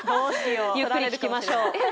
ゆっくり聞きましょう。